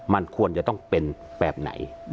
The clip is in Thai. มันควรจะต้องเป็นแบบไหน